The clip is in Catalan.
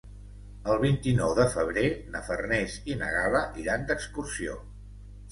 El vint-i-nou de febrer na Farners i na Gal·la iran d'excursió.